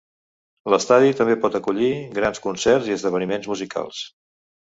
L'estadi també pot acollir grans concerts i esdeveniments musicals.